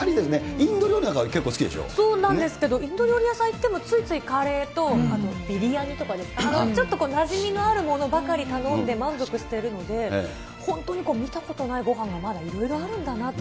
インド料理なんか、結構好きでしそうなんですけど、インド料理屋さん行っても、ついついカレーとビリヤニとかですか、ちょっとなじみのあるものばかり頼んで満足しているので、本当に見たことないごはんがまだいろいろあるんだなと。